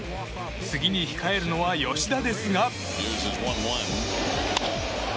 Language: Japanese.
次に控えるのは吉田ですが。